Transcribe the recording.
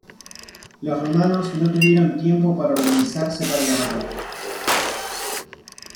Los romanos no tuvieron tiempo para organizarse para la batalla.